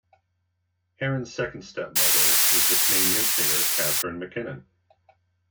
Harron's second stepmother is the Canadian singer Catherine McKinnon.